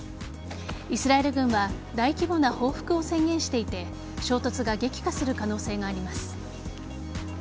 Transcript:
イスラエル軍は大規模な報復を宣言していて衝突が激化する可能性があります。